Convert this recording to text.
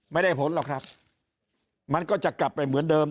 ไม่ได้ผลหรอกครับมันก็จะกลับไปเหมือนเดิม